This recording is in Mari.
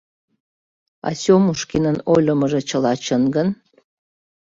А Сёмушкинын ойлымыжо чыла чын гын?